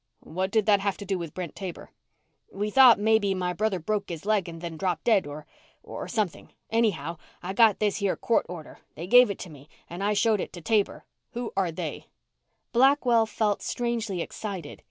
"What did that have to do with Brent Taber?" "We thought maybe my brother broke his leg and then dropped dead or or something. Anyhow, I got this here court order they gave it to me and I showed it to Taber " "Who are they?" Blackwell felt strangely excited.